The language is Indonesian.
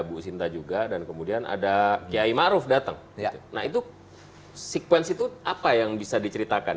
bu sinta juga dan kemudian ada kiai ma'ruf datang ya nah itu sekuensi itu apa yang bisa diceritakan